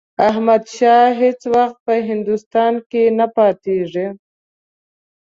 احمدشاه هیڅ وخت په هندوستان کې نه پاتېږي.